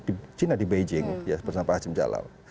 di china di beijing bersama pak haji mijalaw